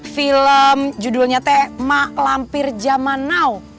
film judulnya teh mak lampir jaman now